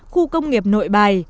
khu công nghiệp nội bày